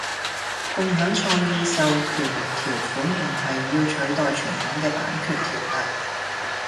共享創意授權條款唔係要取代傳統嘅版權條例